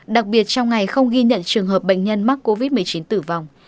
đặc biệt trong ngày không ghi nhận trường hợp bệnh nhân mắc covid một mươi chín tử vong